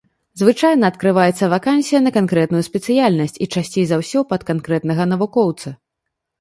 Звычайна адкрываецца вакансія на канкрэтную спецыяльнасць, і часцей за ўсё пад канкрэтнага навукоўца.